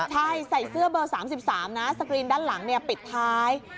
ใช่ใส่เสื้อเบอร์๓๓นะสกรีนด้านหลังปิดท้าย